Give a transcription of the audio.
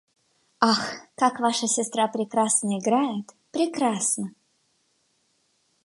«Ах, как ваша сестра прекрасно играет!» Прекрасно!